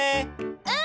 うん！